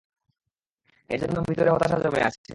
এজন্য ভিতরে হতাশা জমে আছে।